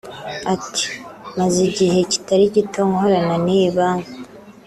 Ati “Maze igihe kitari gito nkorana n’iyi Banki